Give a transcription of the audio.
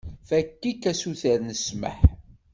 Fakk-ik asuter n ssmaḥ.